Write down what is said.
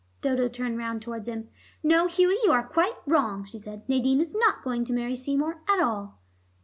Dodo turned round towards him. "No, Hughie, you are quite wrong," she said. "Nadine is not going to marry Seymour at all."